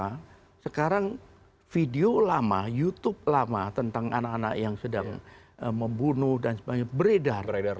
karena sekarang video lama youtube lama tentang anak anak yang sedang membunuh dan sebagainya beredar